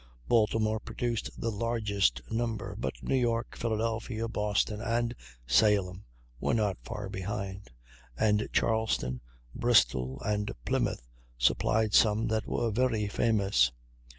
Baltimore produced the largest number; but New York, Philadelphia, Boston, and Salem, were not far behind; and Charleston, Bristol, and Plymouth, supplied some that were very famous.